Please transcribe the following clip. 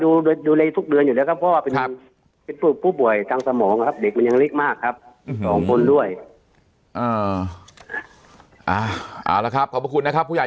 ดูดูเลยทุกเดือนอยู่แล้วครับพ่อเป็นผู้ป่วยจังสมองครับ